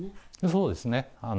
そうですね。